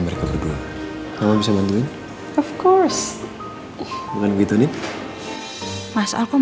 mereka berdua kalau bisa bantuin of course bukan begitu nien mas aku malah bisa bantu sama mama